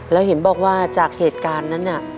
แล้วเห็นบอกว่าจากเหตุการณ์นั้นน่ะ